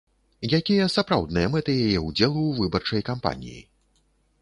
Якія сапраўдныя мэты яе ўдзелу ў выбарчай кампаніі?